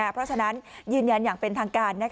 เพราะฉะนั้นยืนยันอย่างเป็นทางการ